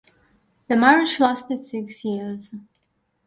The marriage lasted six years.